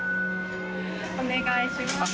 お願いします。